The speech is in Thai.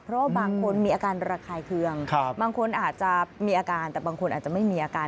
เพราะบางคนมีอาการระคายเคืองบางคนอาจจะมีอาการแต่บางคนอาจจะไม่มีอาการ